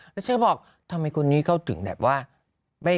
แล้วฉันบอกทำไมคนนี้เขาถึงแบบว่า